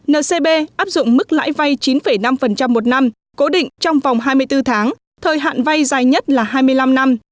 ncb áp dụng mức lãi vay chín năm một năm cố định trong vòng hai mươi bốn tháng thời hạn vay dài nhất là hai mươi năm năm